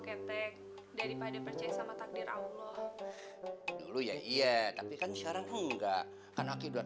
ketek daripada percaya sama takdir allah dulu ya iya tapi kan sekarang enggak karena aki udah